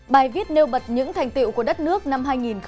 bài viết nêu bật những thành tiệu của đất nước năm hai nghìn một mươi chín